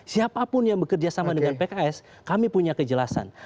siapapun yang bekerja sama dengan pks kami punya kejelasan